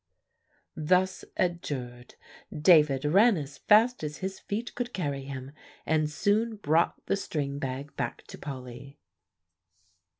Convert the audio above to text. Thus adjured, David ran as fast as his feet could carry him, and soon brought the string bag to Polly.